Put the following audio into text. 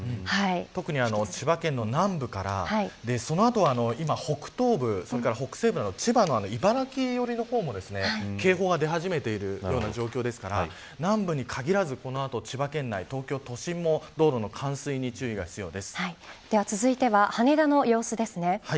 特に千葉県の南部から北東部、北西部など千葉の茨城寄りの方も警報が出始めているような状況ですから南部に限らずこの後、千葉県内、東京都心も続いては羽田の様子です。